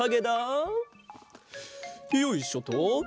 よいしょっと。